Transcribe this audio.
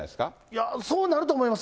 いや、そうなると思います。